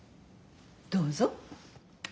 どうぞ。